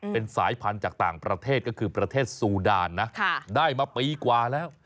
เป็นสายพันธุ์จากต่างประเทศก็คือประเทศซูดานนะได้มาปีกว่าแล้ว